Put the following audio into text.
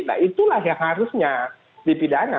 nah itulah yang harusnya dipidana